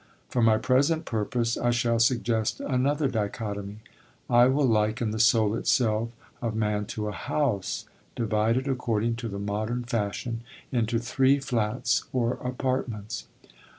For my present purpose I shall suggest another dichotomy. I will liken the soul itself of man to a house, divided according to the modern fashion into three flats or apartments.